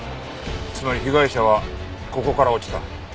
つまり被害者はここから落ちた。